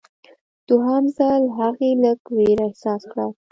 دوهم ځل هغې لږ ویره احساس کړه.